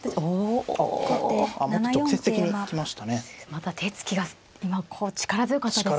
また手つきが今こう力強かったですね。